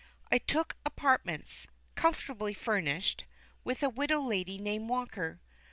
I took apartments, comfortably furnished, with a widow lady named Walker.